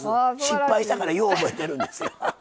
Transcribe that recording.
失敗したからよう覚えてるんですよ。